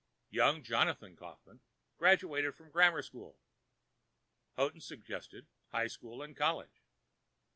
Young Johann Kaufmann graduated from grammar school. Houghton suggested high school and college.